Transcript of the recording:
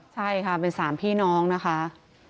ใช่ค่ะเป็น๓พี่น้องนะคะ